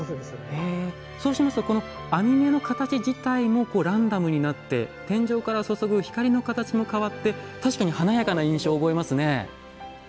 そうしますと編み目の形自体もランダムになって天井から注ぐ光の形も変わって確かに華やかな印象を覚えますね。